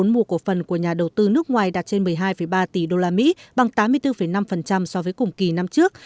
tổng phần của nhà đầu tư nước ngoài đạt trên một mươi hai ba tỷ usd bằng tám mươi bốn năm so với cùng kỳ năm trước